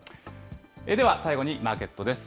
では最後にマーケットです。